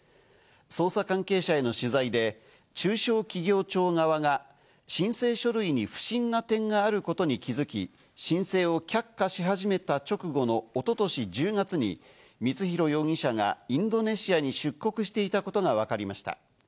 捜査関係者への取材で、中小企業庁側が申請書類に不審な点があることに気づき、申請を却下し始めた直後の一昨年１０月に光弘容疑者がインドネシアに出国していたことがわかりました。